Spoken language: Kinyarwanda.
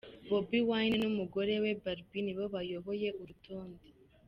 Bobi Wine n'umugore we Barbie nibo bayoboye urutonde.